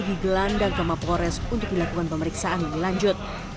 digelandang ke mapolores untuk dilakukan pemeriksaan yang lanjut